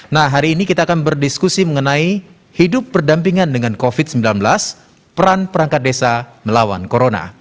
nah hari ini kita akan berdiskusi mengenai hidup berdampingan dengan covid sembilan belas peran perangkat desa melawan corona